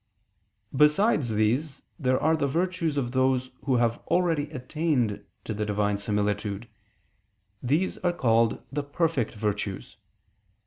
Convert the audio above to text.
Besides these there are the virtues of those who have already attained to the Divine similitude: these are called the "perfect virtues."